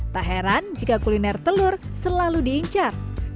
tak heran jika kuliner telur selalu diincar